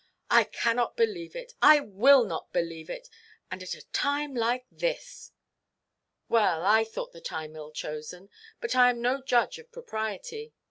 I cannot believe it. I will not believe it; and at a time like this!" "Well, I thought the time ill–chosen. But I am no judge of propriety.